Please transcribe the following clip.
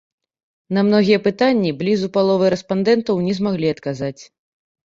На многія пытанні блізу паловы рэспандэнтаў не змаглі адказаць.